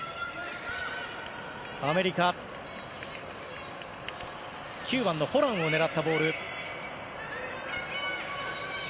アメリカ、９番のホランを狙ったボール。